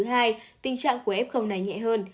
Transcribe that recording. sau lần nhiễm virus lần thứ hai tình trạng của f này nhẹ hơn